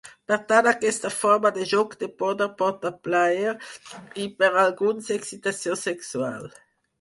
Per tant, aquesta forma de joc de poder porta plaer i, per a alguns, excitació sexual.